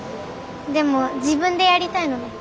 でも自分でやりたいので。